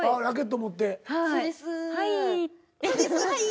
「はい」